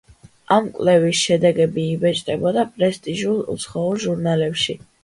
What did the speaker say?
ამ კვლევის შედეგები იბეჭდებოდა პრესტიჟულ უცხოურ ჟურნალებში.